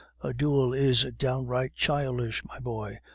A duel is downright childish, my boy!